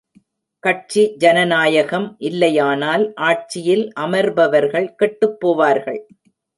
கட்சி ஜனநாயகம் இல்லையானால் ஆட்சியில் அமர்பவர்கள் கெட்டுப் போவார்கள்.